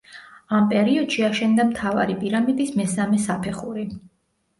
ამ პერიოდში აშენდა მთავარი პირამიდის მესამე საფეხური.